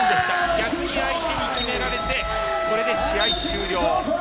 逆に相手に決められてこれで試合終了。